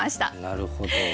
なるほど。